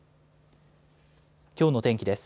きょうの天気です。